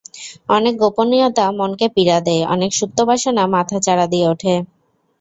অনেক গোপনীয়তা মনকে পীড়া দেয়, অনেক সুপ্ত বাসনা মাথাচাড়া দিয়ে ওঠে।